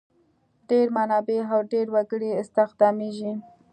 ډېر منابع او ډېر وګړي استخدامیږي.